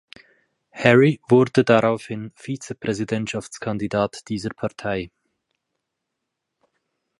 Hary wurde daraufhin Vizepräsidentschaftskandidat dieser Partei.